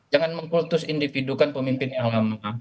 jangan mengkultus individukan pemimpin yang lama